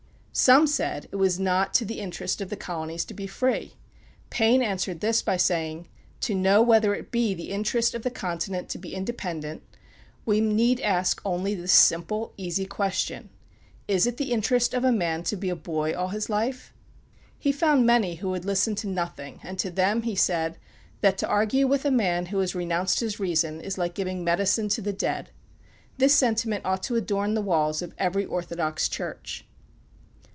Some said it was not to the interest of the colonies to be free. Paine answered this by saying, "To know whether it be the interest of the continent to be independent, we need ask only this simple, easy question: 'Is it the interest of a man to be a boy all his life?'" He found many who would listen to nothing, and to them he said, "That to argue with a man who has renounced his reason is like giving medicine to the dead." This sentiment ought to adorn the walls of every orthodox church.